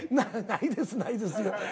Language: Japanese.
ないですないです。